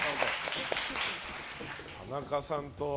田中さんと。